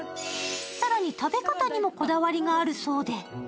更に食べ方にもこだわりがあるそうで。